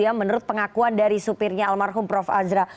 ya menurut pengakuan dari sopirnya almarhum prof asra